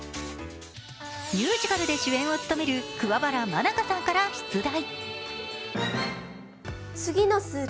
ミュージカルで主演を務める桑原愛佳さんから出題。